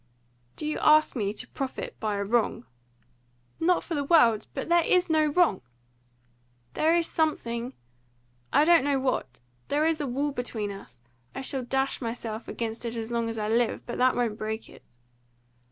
"Do you ask me to profit by a wrong?" "Not for the world. But there is no wrong!" "There is something I don't know what. There's a wall between us. I shall dash myself against it as long as I live; but that won't break it."